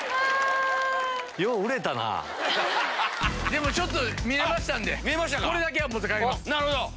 でもちょっと見えましたんでこれだけは持って帰ります。